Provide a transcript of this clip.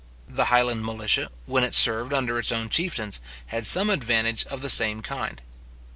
The Highland militia, when it served under its own chieftains, had some advantage of the same kind.